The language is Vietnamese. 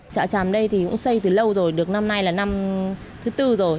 chợ trầm đây thì cũng xây từ lâu rồi được năm nay là năm thứ bốn rồi